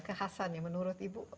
kekhasan ya menurut ibu